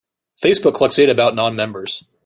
Facebook collects data about non-members.